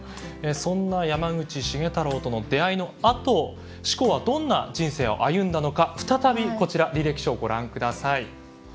そんな山口繁太郎との出会いのあと志功はどんな人生を歩んだのか再びこちら履歴書をご覧ください。